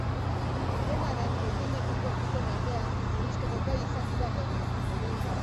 Dena den, urdinekiko zuten aldea murrizteko gai izan dira gorriak.